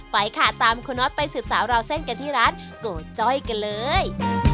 ไปค่ะตามคุณน็อตไปสืบสาวราวเส้นกันที่ร้านโกจ้อยกันเลย